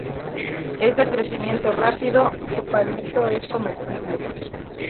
Es de crecimiento rápido, su palmito es comestible.